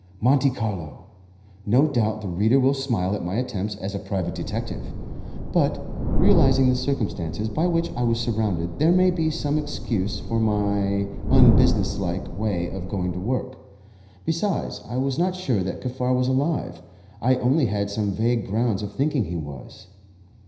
Monte Carlo! No doubt the reader will smile at my attempts as a private detective, but, realizing the circumstances by which I was surrounded, there may be some excuse for my unbusinesslike way of going to work. Besides, I was not sure that Kaffar was alive; I only had some vague grounds for thinking he was.